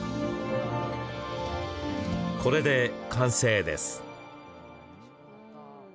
これで完成です。